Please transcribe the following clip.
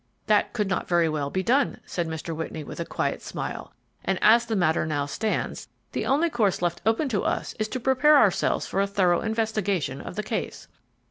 "That could not very well be done," said Mr. Whitney, with a quiet smile; "and as the matter now stands, the only course left open for us is to prepare ourselves for a thorough investigation of the case."